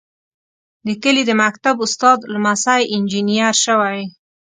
د کلي د مکتب استاد لمسی انجنیر شوی.